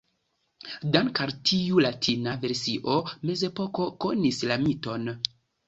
Danke al tiu Latina versio, Mezepoko konis la miton.